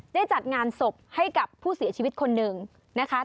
จัดงานศพให้กับผู้เสียชีวิตคนหนึ่งนะคะ